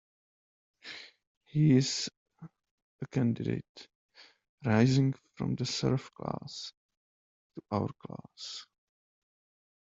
He is a candidate, rising from the serf class to our class.